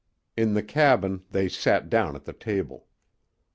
In the cabin they sat down at the table.